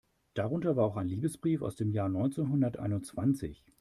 Darunter war auch ein Liebesbrief aus dem Jahr neunzehnhunderteinundzwanzig.